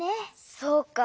そうか。